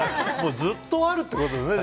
ずっとあるってことですね